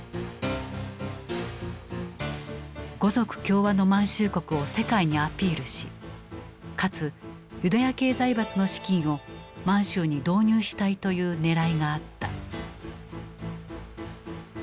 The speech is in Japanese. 「五族協和の満州国」を世界にアピールしかつユダヤ系財閥の資金を満州に導入したいというねらいがあった。